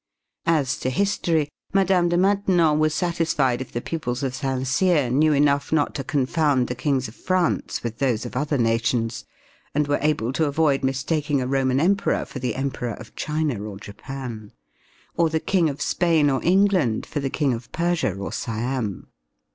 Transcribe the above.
As to history, Mme. de Maintenon was satisfied if the pupils of Saint Cyr knew enough not to confound the kings of France with those of other nations, and were able to avoid mistaking a Roman emperor for the Emperor of China or Japan; or the King of Spain or England for the King of Persia or Siam.